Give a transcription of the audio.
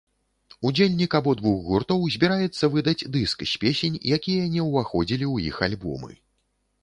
Удзельнік абодвух гуртоў збіраецца выдаць дыск з песень, якія не ўваходзілі ў іх альбомы.